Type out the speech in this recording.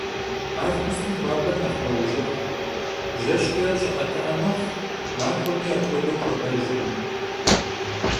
Avgustım xuaber nexh meujıx; jjeşç'e ş'ı'etı'e mexhu, maxuemi apxuedeu xuabejjkhım.